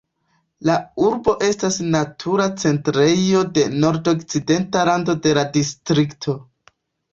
La urbo estas natura centrejo de nordokcidenta rando de la distrikto.